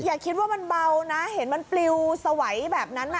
อย่าคิดว่ามันเบานะเห็นมันปลิวสวัยแบบนั้น